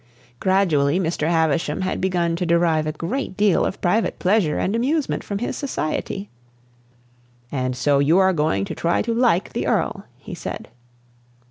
Gradually Mr. Havisham had begun to derive a great deal of private pleasure and amusement from his society. "And so you are going to try to like the Earl," he said.